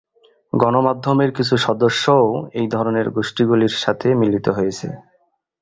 গণমাধ্যমের কিছু সদস্যও এই ধরনের গোষ্ঠীগুলির সাথে মিলিত হয়েছে।